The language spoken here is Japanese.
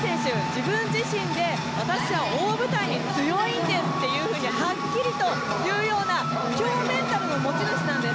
自分自身で私は大舞台に強いんですってはっきりと言うような強メンタルの持ち主なんです。